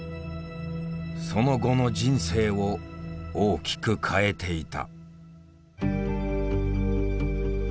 その後の人生を大きく変えていた。